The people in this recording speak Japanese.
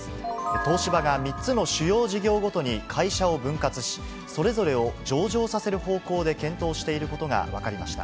東芝が３つの主要事業ごとに会社を分割し、それぞれを上場させる方向で検討していることが分かりました。